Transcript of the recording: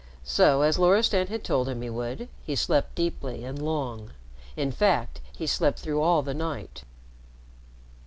So, as Loristan had told him he would, he slept deeply and long; in fact, he slept through all the night.